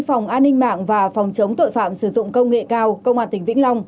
phòng an ninh mạng và phòng chống tội phạm sử dụng công nghệ cao công an tỉnh vĩnh long